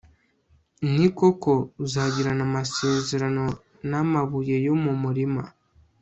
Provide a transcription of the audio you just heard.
ni koko uzagirana amasezerano n'amabuye yo mu murima